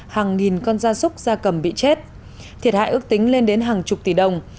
hàng nghìn con da súc da cầm bị chết thiệt hại ước tính lên đến hàng chục tỷ đồng